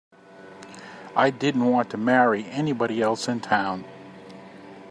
I didn't want to marry anybody else in town.